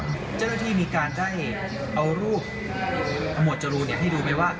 เจ้าหน้าที่มีการได้เอารูปหมวดจรูนให้ดูไหมว่า